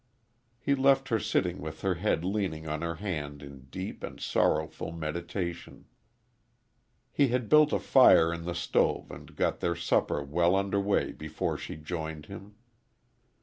He left her sitting with her head leaning on her hand in deep and sorrowful meditation. He had built a fire in the stove and got their supper well under way before she joined him.